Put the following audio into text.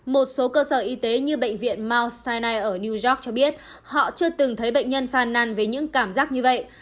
một số cơ sở y tế như bệnh viện mau styna ở new york cho biết họ chưa từng thấy bệnh nhân phàn nàn với những cảm giác như vậy